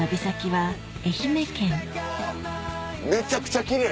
めちゃくちゃ奇麗。